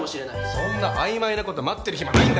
そんな曖昧な事待ってる暇ないんだよ！